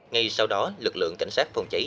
ngay sau đó lực lượng cảnh sát phòng cháy